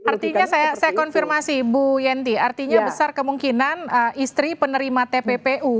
artinya saya konfirmasi bu yenty artinya besar kemungkinan istri penerima tppu